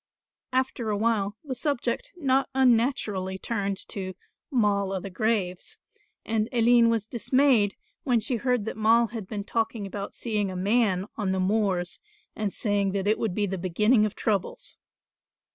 After a while the subject not unnaturally turned to "Moll o' the graves" and Aline was dismayed when she heard that Moll had been talking about seeing a man on the moors, and saying that it would be the beginning of troubles.